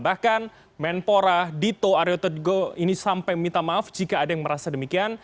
bahkan menpora dito aryo tedgo ini sampai minta maaf jika ada yang merasa demikian